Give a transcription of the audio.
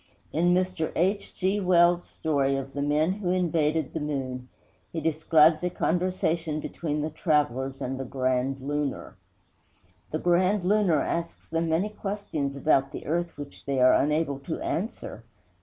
In Mr. H. G. Wells' story of the men who invaded the moon, he describes a conversation between the travelers and the Grand Lunar. The Grand Lunar asks them many questions about the earth which they are unable to answer.